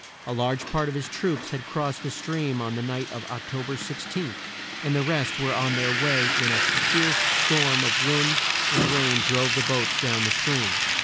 A large part of his troops had crossed the stream on the night of Oc to ber 16, and the rest were on their way when a fierce storm of wind and rain drove the boats down the stream.